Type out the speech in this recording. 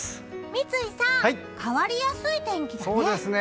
三井さん、変わりやすい天気だね。